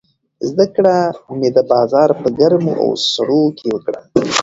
زده کړه مې د بازار په ګرمو او سړو کې وکړه.